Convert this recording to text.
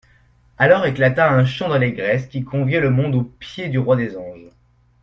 Alors éclata un chant d'allégresse, qui conviait le monde aux pieds du Roi des Anges.